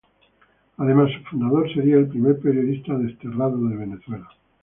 Además, su fundador sería el primer periodista desterrado de Venezuela.